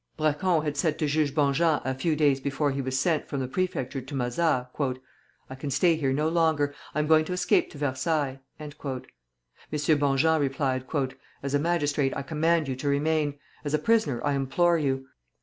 Braquond had said to Judge Bonjean a few days before he was sent from the Prefecture to Mazas, "I can stay here no longer. I am going to escape to Versailles." M. Bonjean replied: "As a magistrate I command you to remain; as a prisoner I implore you.